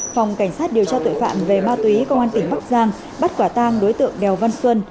phòng cảnh sát điều tra tội phạm về ma túy công an tỉnh bắc giang bắt quả tang đối tượng đèo văn xuân